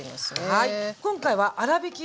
はい。